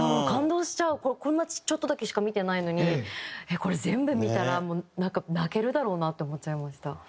感動しちゃうこんなちょっとだけしか見てないのにこれ全部見たらもうなんか泣けるだろうなって思っちゃいました。